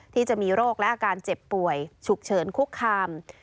ที่มีโรคและอาการเจ็บป่วยฉุกเฉินคุกคาม